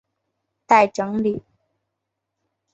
待整理